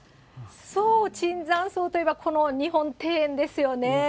そう、椿山荘といえば、この日本庭園ですよね。